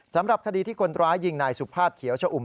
สำหรับคดีที่คนร้ายยิงนายสุภาพเขียวชะอุ่ม